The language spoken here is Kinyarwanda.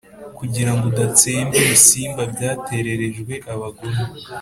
kugira ngo udatsemba ibisimba byatererejwe abagome,